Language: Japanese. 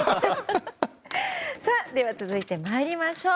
では続いてに参りましょう。